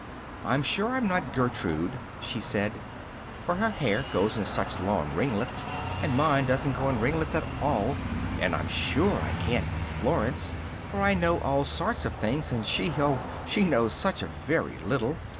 "I'm sure I'm not Gertrude," she said, "for her hair goes in such long ringlets, and mine doesn't go in ringlets at all and I'm sure I ca'n't be Florence, for I know all sorts of things, and she, oh! she knows such a very little!